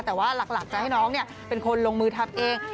แต่ว่าหลักจะให้น้องเป็นคนลงมือทำเอง